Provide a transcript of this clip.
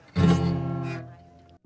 e chefs tadi waktu itu mereka